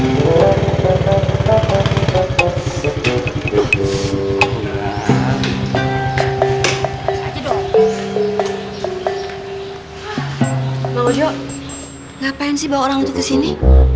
ngapain sih orang kesini